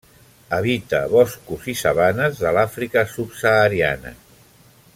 Habita boscos i sabanes de l'Àfrica subsahariana.